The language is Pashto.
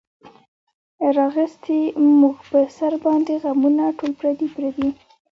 راغیستې مونږ پۀ سر باندې غمونه ټول پردي دي